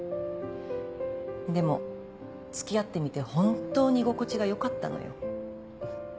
でも付き合ってみて本当に居心地が良かったのよ。